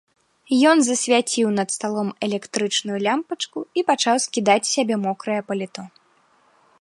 Ён засвяціў над сталом электрычную лямпачку і пачаў скідаць з сябе мокрае паліто.